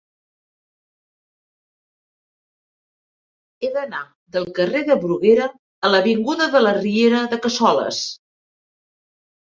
He d'anar del carrer de Bruguera a l'avinguda de la Riera de Cassoles.